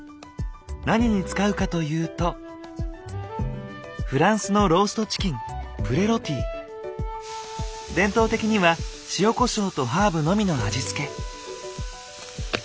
何に使うかというとフランスのローストチキン伝統的には塩コショウとハーブのみの味付け。